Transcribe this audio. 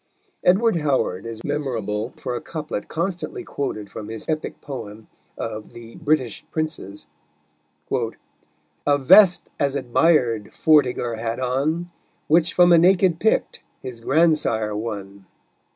Edward Howard is memorable for a couplet constantly quoted from his epic poem of The British Princes: A vest as admired Vortiger had on, Which from a naked Pict his grandsire won.